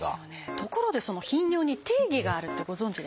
ところでその「頻尿」に定義があるってご存じですか？